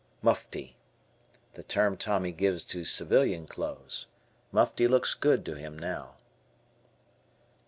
Mufti. The term Tommy gives to civilian clothes. Mufti looks good to him now.